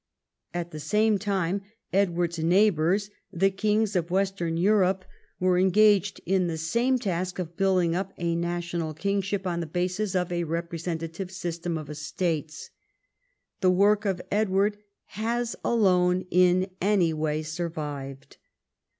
At the same time Edward's neighbours, the kings of Western Europe, were engaged in the same task of building up a national kingship on the basis of a repre sentative system of estates. The Avork of EdAvard has alone in any Avay survived.